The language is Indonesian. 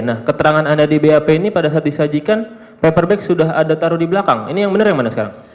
nah keterangan anda di bap ini pada saat disajikan paper bag sudah ada taruh di belakang ini yang benar yang mana sekarang